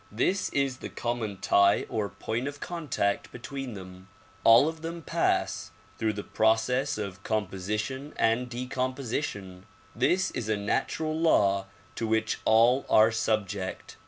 This is the common tie or point of contact between them. All of them pass through the process of composition and decomposition; this is a natural law to which all are subject.